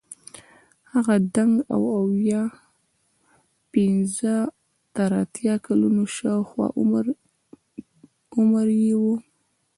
هغه دنګ او اویا پنځه تر اتیا کلونو شاوخوا عمر یې وو.